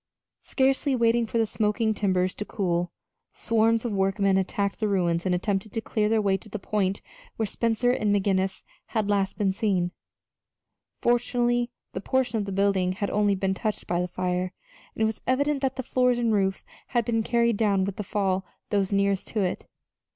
Scarcely waiting for the smoking timbers to cool, swarms of workmen attacked the ruins and attempted to clear their way to the point where Spencer and McGinnis had last been seen. Fortunately, that portion of the building had only been touched by the fire, and it was evident that the floors and roof had been carried down with the fall of those nearest to it.